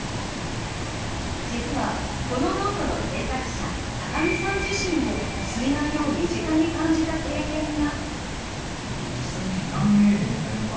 実はこのノートの製作者、高木さん自身も水害を身近に感じた経験が。